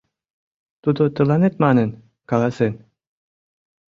— Тудо тыланет манын, каласен.